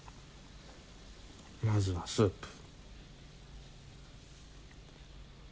まずはスープ。